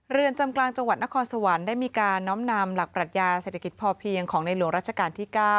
เรือนจำกลางจังหวัดนครสวรรค์ได้มีการน้อมนำหลักปรัชญาเศรษฐกิจพอเพียงของในหลวงรัชกาลที่๙